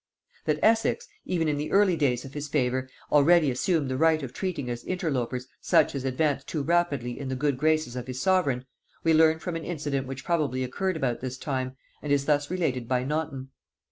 ] That Essex, even in the early days of his favor, already assumed the right of treating as interlopers such as advanced too rapidly in the good graces of his sovereign, we learn from an incident which probably occurred about this time, and is thus related by Naunton.